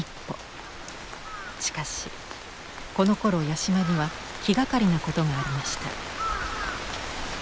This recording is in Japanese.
しかしこのころ八島には気がかりなことがありました。